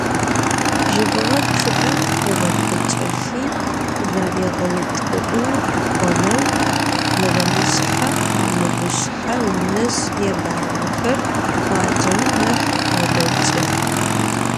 Жьыбгъэ чъыӀэм ыгъэпӀыкӀэхи заригъэутӀыӀугъ пloнэу, бгъэнышъхьэ-къамылышъхьэ унэжъ ебагъэхэр къуаджэм нахь къебэкӀы.